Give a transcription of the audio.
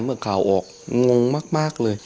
เมื่อข่าวออกงงมากเลย